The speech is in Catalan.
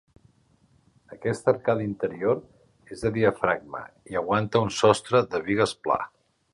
Aquesta arcada interior és de diafragma i aguanta un sostre de bigues pla.